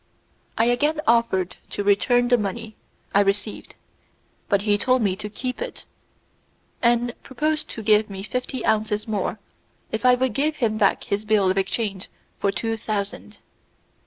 I again offered to return the money I received, but he told me to keep it, and proposed to give me fifty ounces more if I would give him back his bill of exchange for two thousand.